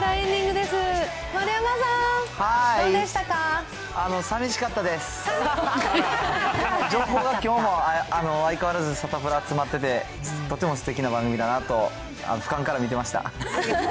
でも情報がきょうも相変わらずサタプラ詰まってて、とてもすてきな番組だなと、ふかんから見てました。